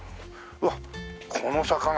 うわっこの坂が。